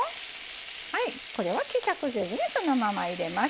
はいこれは希釈せずにそのまま入れます。